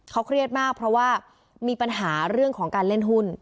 เขาเครียดมากเพราะว่ามีปัญหาเรื่องของการเล่นหุ้น